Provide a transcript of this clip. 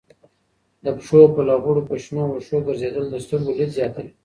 د پښو په لغړو په شنو وښو ګرځېدل د سترګو لید زیاتوي.